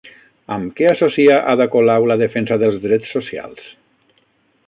Amb què associa Ada Colau la defensa dels drets socials?